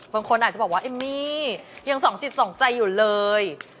บางคนอาจจะบอกว่าเอมมี่ยังสองจิตสองใจอยู่เลย